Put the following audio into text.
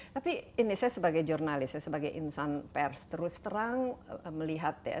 tapi ini saya sebagai jurnalis saya sebagai insan pers terus terang melihat ya